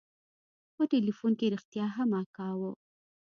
په ټېلفون کښې رښتيا هم اکا و.